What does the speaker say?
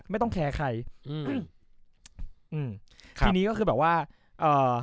ไม่ต้องแคร์ใครอืมอืมทีนี้ก็คือแบบว่าเอ่อ